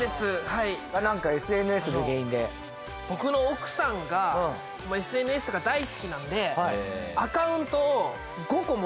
はい何かＳＮＳが原因で僕の奥さんがＳＮＳが大好きなんでええ！